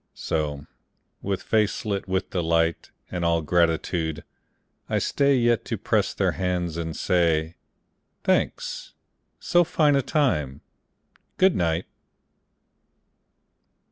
So, with face lit with delight And all gratitude, I stay Yet to press their hands and say, "Thanks. So fine a time ! Good night.